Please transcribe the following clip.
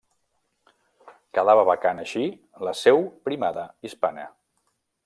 Quedava vacant així la seu primada hispana.